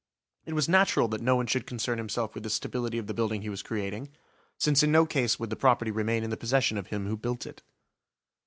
It was natural that no one should concern himself with the stability of the building he was creating, since in no case would the property remain in the possession of him who built it.